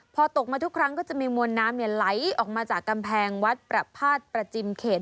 พอตกมาทุกครั้งก็จะมีมวลน้ำไหลออกมาจากกำแพงวัดประพาทประจิมเขต